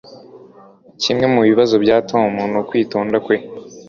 Kimwe mubibazo bya Tom nukwitonda kwe